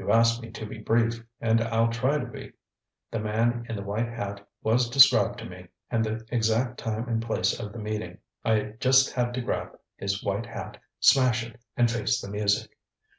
ŌĆ£You asked me to be brief, and I'll try to be. The man in the white hat was described to me, and the exact time and place of the meeting. I just had to grab his white hat, smash it, and face the music.